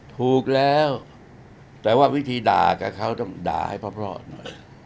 ถูกแล้วแต่ว่าวิธีด่ากับเขาต้องด่าให้เพราะหน่อย